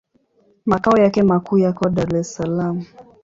Makao yake makuu yako Dar es Salaam.